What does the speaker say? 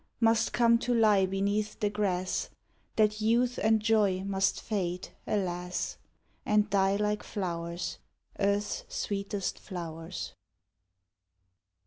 Must come to lie beneath the grass! That youth and joy must fade, alas! And die like flowers, Earth's sweetest flowers!